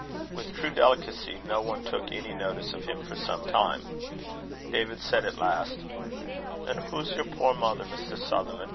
With true delicacy, no one took any notice of him for some time. David said at last, "An' hoo's yer puir mother, Mr. Sutherlan'?"